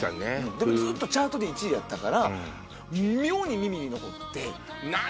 でもずっとチャートで１位やったから妙に耳に残って。